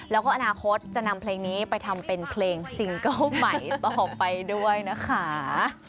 แล้วก็อนาคตจะนำเพลงนี้ไปทำเป็นเพลงซิงเกิ้ลใหม่ต่อไปด้วยนะคะ